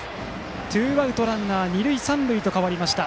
ツーアウトランナー、二塁三塁と変わりました。